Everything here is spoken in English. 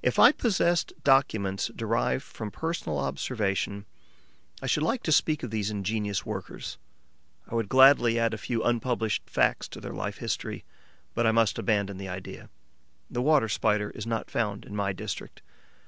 If I possessed documents derived from personal observation, I should like to speak of these ingenious workers; I would gladly add a few unpublished facts to their life history. But I must abandon the idea. The Water Spider is not found in my district.